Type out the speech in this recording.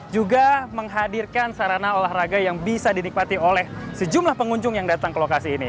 juga menghadirkan sarana olahraga yang bisa dinikmati oleh sejumlah pengunjung yang datang ke lokasi ini